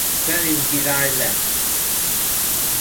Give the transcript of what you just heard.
Szelim Giráj lett.